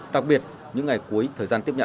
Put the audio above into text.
đặc biệt những ngày khó khăn của chúng ta